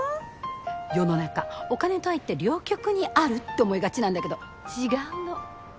世の中お金と愛って両極にあるって思いがちなんだけど違うの。